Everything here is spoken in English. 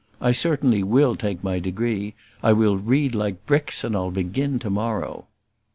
I certainly will take my degree: I will read like bricks; and I'll begin to morrow."